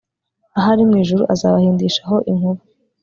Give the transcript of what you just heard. aho ari mu ijuru azabahindishaho inkuba